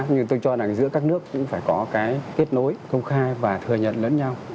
nhưng tôi cho là giữa các nước cũng phải có cái kết nối công khai và thừa nhận lẫn nhau